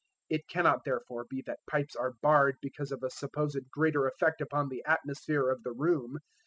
It cannot, therefore, be that pipes are barred because of a supposed greater effect upon the atmosphere of the room.